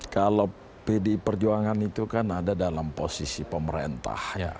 kalau pdi perjuangan itu kan ada dalam posisi pemerintah